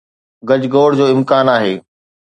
گجگوڙ جو امڪان آهي